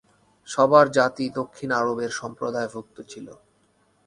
সাবীয় জাতি দক্ষিণ আরবের সম্প্রদায়ভুক্ত ছিল।